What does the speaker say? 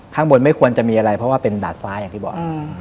ข้างบนไม่ควรจะมีอะไรเพราะว่าเป็นดาดฟ้าอย่างที่บอก